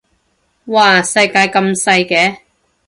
嘩世界咁細嘅